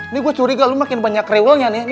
nih gua curiga lu makin banyak rewelnya nih